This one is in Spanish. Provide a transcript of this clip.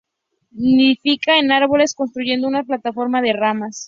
Nidifica en árboles, construyendo una plataforma de ramas.